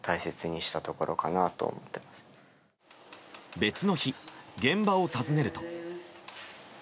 別の日、現場を訪ねると。